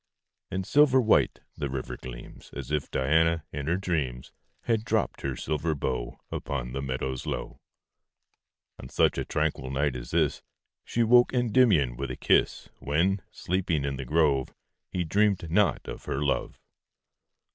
And silver white the river gleams, As if Diana, in her dreams, Had dropt her silver bow Upon the meadows low. On such a tranquil night as this, She woke Endymion with a kiss, When, sleeping in the grove, He dreamed not of her love.